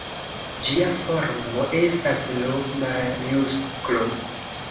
Ĝia formo estas L-majusklo.